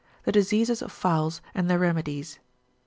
THE DISEASES OF FOWLS, AND THEIR REMEDIES.